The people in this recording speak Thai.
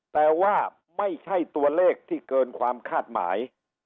แต่ว่าไม่ใช่ตัวเลขที่เกินความคาดหมาย